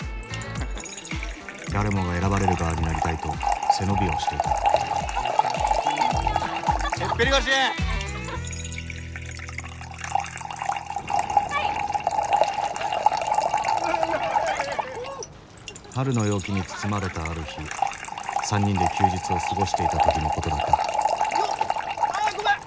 誰もが選ばれる側になりたいと背伸びをしていた春の陽気に包まれたある日３人で休日を過ごしていた時のことだったああごめん！